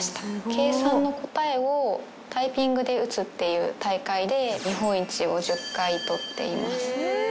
計算の答えをタイピングで打つっていう大会で日本一を１０回とっています